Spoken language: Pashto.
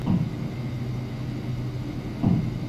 افغانستان کې د پامیر لپاره دپرمختیا ځانګړي پروګرامونه شته.